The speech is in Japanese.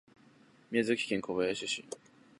宮崎県小林市